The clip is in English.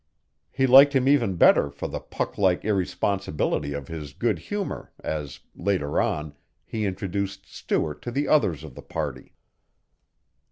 He liked him even better for the Puck like irresponsibility of his good humor as, later on, he introduced Stuart to the others of the party.